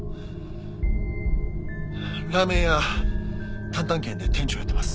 ラーメン屋たんたん軒で店長やってます。